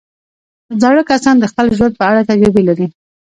زاړه کسان د خپل ژوند په اړه تجربې لري